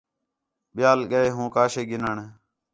ٻِیال ڳئے ہوں کاشے گِنّݨ